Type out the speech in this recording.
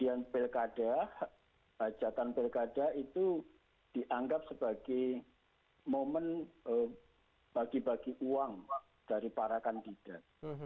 yang belkada ajatan belkada itu dianggap sebagai momen bagi bagi uang dari para kandidat